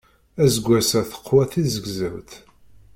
Aseggas-a teqwa tizegzewt.